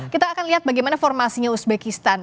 kita akan lihat bagaimana formasinya uzbekistan